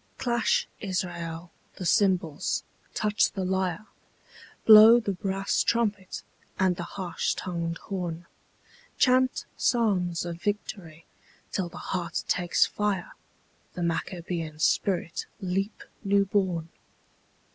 Clash, Israel, the cymbals, touch the lyre, Blow the brass trumpet and the harsh tongued horn; Chant psalms of victory till the heart takes fire, The Maccabean spirit leap new born.